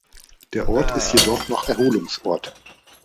Der Ort ist jedoch noch Erholungsort.